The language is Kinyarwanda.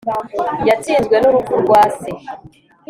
yatsinzwe n'urupfu rwa se